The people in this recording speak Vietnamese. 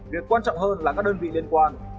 việc quan trọng hơn là các đơn vị liên quan